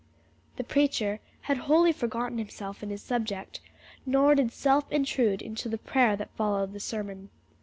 The preacher had wholly forgotten himself in his subject; nor did self intrude into the prayer that followed the sermon.